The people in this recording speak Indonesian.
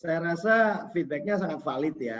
saya rasa feedbacknya sangat valid ya